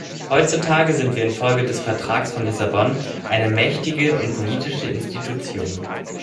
Heutzutage sind wir infolge des Vertrags von Lissabon eine mächtige politische Institution.